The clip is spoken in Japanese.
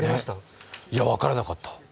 いや、分からなかった。